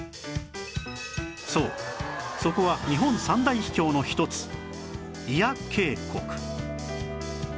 そうそこは日本三大秘境の一つ祖谷渓谷